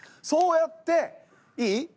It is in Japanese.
そうやっていい？